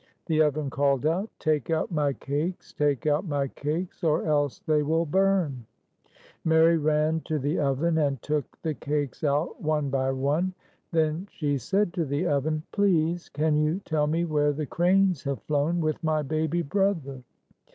The oven called out, "Take out my cakes! Take out my cakes, or else they will burn !" Mary ran to the oven, and took the cakes out one by one. Then she said to the oven, " Please, can you tell me where the cranes have flown with my baby brother?"